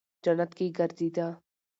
جنت کې گرځېده.